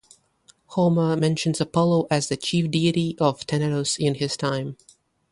Homer mentions Apollo as the chief deity of Tenedos in his time.